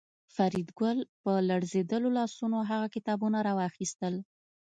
فریدګل په لړزېدلو لاسونو هغه کتابونه راواخیستل